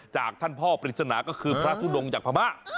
จากท่านพ่อปริศนาก็คือพระทุดงจากพม่า